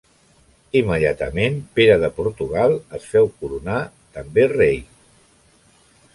Immediatament Pere de Portugal es féu coronar també rei.